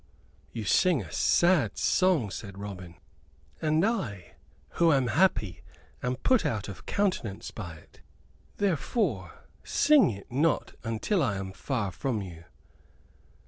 "You sing a sad song," said Robin; "and I, who am happy, am put out of countenance by it. Therefore sing it not until I am far from you."